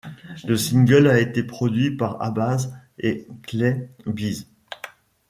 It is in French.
Le single a été produit par Abaz et Clay Beatz.